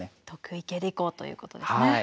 得意形でいこうということですね。